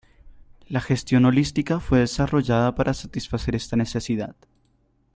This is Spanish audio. La gestión holística fue desarrollada para satisfacer esta necesidad.